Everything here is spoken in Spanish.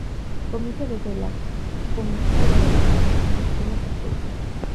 Comienza desde la comisura de la boca, y se extiende hasta el cuello.